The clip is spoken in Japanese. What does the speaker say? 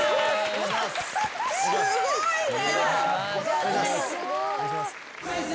すごいね。